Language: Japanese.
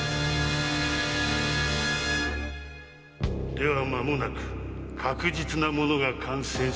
ではまもなく確実なものが完成するというのだな。